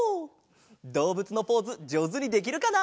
どうぶつのポーズじょうずにできるかな？